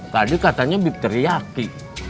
tadi katanya bib teriaki